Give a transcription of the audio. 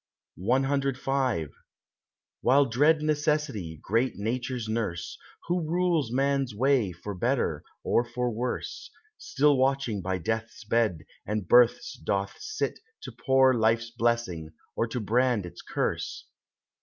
CV While dread Necessity, great Nature's nurse, Who rules man's way for better or for worse, Still watching by death's bed and birth's doth sit To pour life's blessing or to brand its curse.